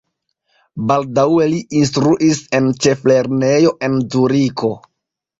Baldaŭe li instruis en ĉeflernejo en Zuriko.